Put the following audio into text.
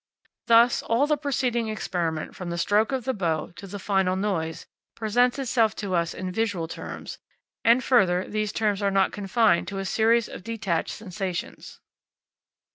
Thus all the preceding experiment from the stroke of the bow to the final noise presents itself to us in visual terms, and further, these terms are not confined to a series of detached sensations.